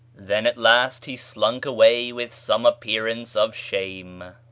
" Then at last he slunk away with some appearance of shame.